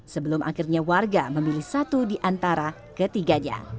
sebelum akhirnya warga memilih satu di antara ketiganya